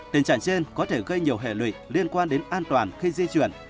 tình trạng trên có thể gây nhiều hệ lụy liên quan đến an toàn khi di chuyển